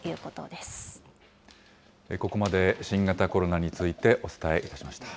ここまで、新型コロナについてお伝えしました。